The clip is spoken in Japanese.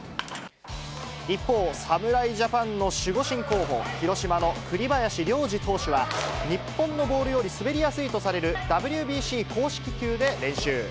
一方、侍ジャパンの守護神候補、広島の栗林良吏投手は、日本のボールより滑りやすいとされるＷＢＣ公式球で練習。